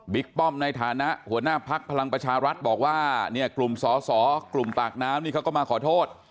ป้อมในฐานะหัวหน้าพักพลังประชารัฐบอกว่าเนี่ยกลุ่มสอสอกลุ่มปากน้ำนี่เขาก็มาขอโทษ